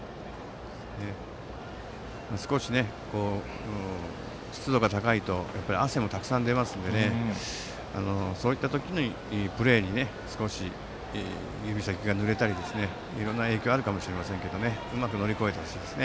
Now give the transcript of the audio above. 少し湿度が高いと汗もたくさん出ますのでプレーで少し指先がぬれたりといろんな影響があるかもしれませんがうまく乗り越えてほしいです。